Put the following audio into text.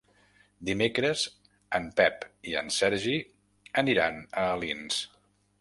Dimecres en Pep i en Sergi aniran a Alins.